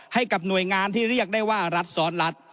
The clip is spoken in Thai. ให้กับหน่วยงานที่เรียกได้ว่ารัฐซ้อนรัฐ